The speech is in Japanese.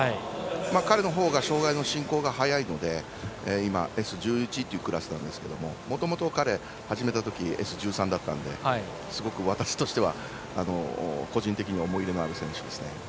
彼のほうが障がいの進行が早いのでＳ１１というクラスなんですがもともと彼は始めたときＳ１３だったのですごく私としては、個人的には思い入れのある選手です。